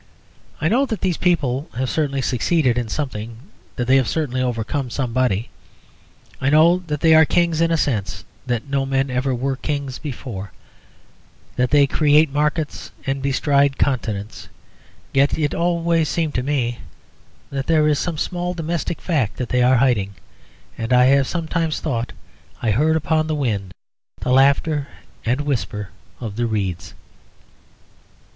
I know that these people have certainly succeeded in something; that they have certainly overcome somebody; I know that they are kings in a sense that no men were ever kings before; that they create markets and bestride continents. Yet it always seems to me that there is some small domestic fact that they are hiding, and I have sometimes thought I heard upon the wind the laughter and whisper of the reeds.